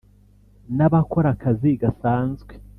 n’abakora akazi gasanzwe